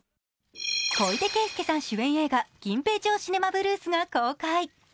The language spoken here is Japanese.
小出恵介さん主演映画「銀平町シネマブルース」が公開。